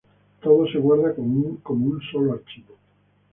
Todo se guarda como un solo archivo.